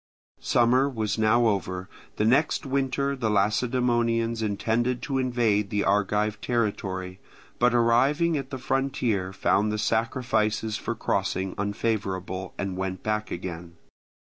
Summer was now over. The next winter the Lacedaemonians intended to invade the Argive territory, but arriving at the frontier found the sacrifices for crossing unfavourable, and went back again.